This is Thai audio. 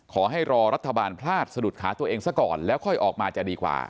ขอให้รอรัฐบาลพลาดสะดุดขาตัวเองซะก่อนแล้วค่อยออกมาจะดีกว่า